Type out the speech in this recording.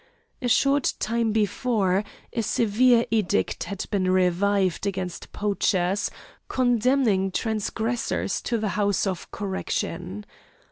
A short time before, a severe edict had been revived against poachers, condemning transgressors to the house of correction.